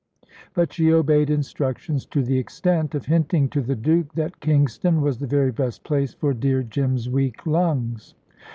But she obeyed instructions to the extent of hinting to the Duke that Kingston was the very best place for dear Jim's weak lungs.